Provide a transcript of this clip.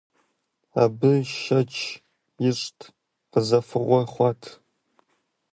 Абы шэч ишӏырт, къызэфыгъуэ хъуат.